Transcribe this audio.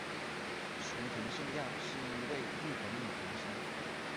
熊田圣亚是一位日本女童星。